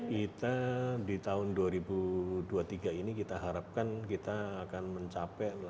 kita di tahun dua ribu dua puluh tiga ini kita harapkan kita akan mencapai